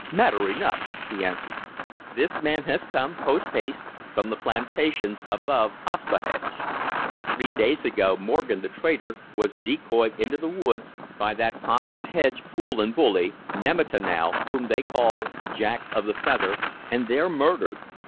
"Matter enough!" he answered. "This man has come, post haste, from the plantations above Paspahegh. Three days ago, Morgan, the trader, was decoyed into the woods by that Paspahegh fool and bully, Nemattanow, whom they call Jack of the Feather, and there murdered.